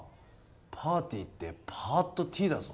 パーティーってパーッとティーだぞ？